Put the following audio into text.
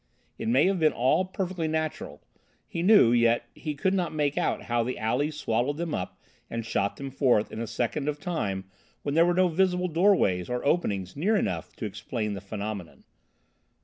It may have been all perfectly natural, he knew, yet he could not make it out how the alleys swallowed them up and shot them forth in a second of time when there were no visible doorways or openings near enough to explain the phenomenon.